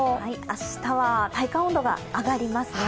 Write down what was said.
明日は体感温度が上がりますね。